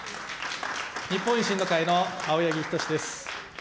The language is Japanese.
日本維新の会の青柳仁士です。